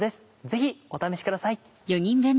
ぜひお試しください。